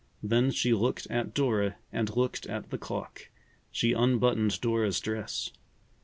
Then she looked at Dora and looked at the clock. She unbuttoned Dora's dress.